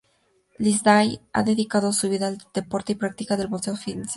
Lindsay ha dedicado su vida al deporte y practica el boxeo aficionado.